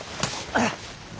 あっ。